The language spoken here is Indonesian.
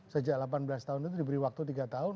sejak delapan belas tahun itu diberi waktu tiga tahun